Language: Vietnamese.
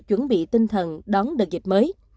chuẩn bị tinh thần đón đợt dịch mới